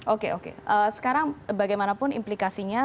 oke oke sekarang bagaimanapun implikasinya